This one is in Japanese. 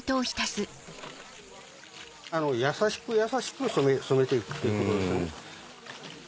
優しく優しく染めていくっていうことですね。